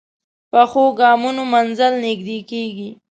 پخو ګامونو منزل نږدې کېږي